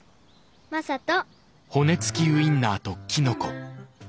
正人」。